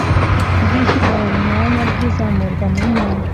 Bw ishyirwa mu myanya bw izamurwa mu ntera